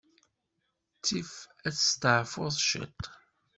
Ttif ad testaɛfuḍ ciṭ.